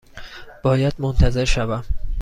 باید منتظر شوم؟